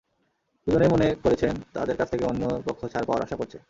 দুজনেই মনে করেছেন, তাদের কাছ থেকে অন্য পক্ষ ছাড় পাওয়ার আশা করছে।